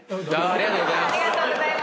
ありがとうございます。